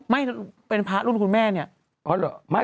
ไม่เป็นพระรุ่นคุณแม่นี่